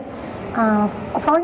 phối hợp với các em